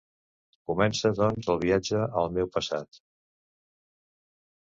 Comença, doncs, el viatge al meu passat.